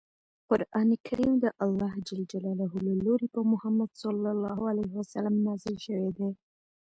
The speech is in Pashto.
قران کریم د الله ج له لورې په محمد ص نازل شوی دی.